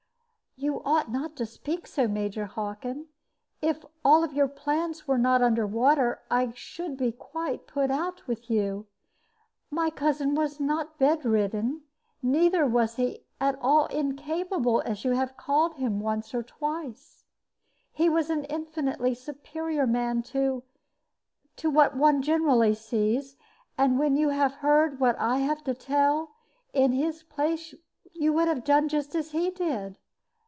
"You ought not to speak so, Major Hockin. If all your plans were not under water, I should be quite put out with you. My cousin was not bedridden; neither was he at all incapable, as you have called him once or twice. He was an infinitely superior man to to what one generally sees; and when you have heard what I have to tell, in his place you would have done just as he did.